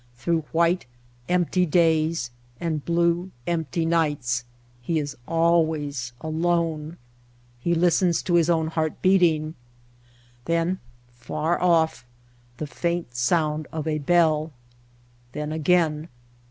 Through white, empty days and blue, empty nights he is always alone. He listens to his own heart beating. Then, far off, the faint sound of a bell. Then again.